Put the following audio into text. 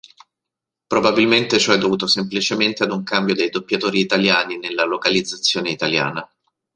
Probabilmente ciò è dovuto semplicemente ad un cambio dei doppiatori italiani nella localizzazione italiana.